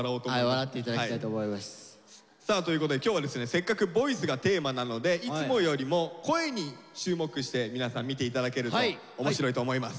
せっかく「ＶＯＩＣＥ」がテーマなのでいつもよりも声に注目して皆さん見ていただけると面白いと思います。